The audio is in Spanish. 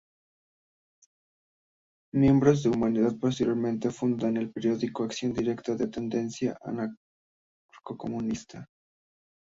Miembros de "Humanidad" posteriormente fundan el periódico "Acción Directa", de tendencia anarcocomunista.